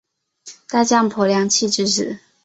大将柏良器之子。